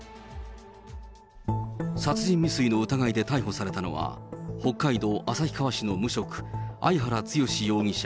殺人未遂の疑いで逮捕されたのは北海道旭川市の無職、相原強志容疑者